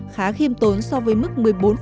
khá khiêm tốn so với mức một mươi bốn